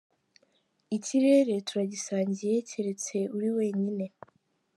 Ikirere turagisangiye twese keretse uri wenyine.